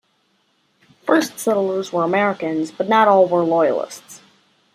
First settlers were Americans, but not all were Loyalists.